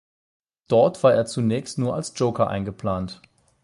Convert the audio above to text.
Dort war er zunächst nur als Joker eingeplant.